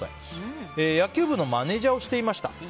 野球部のマネジャーをしていました。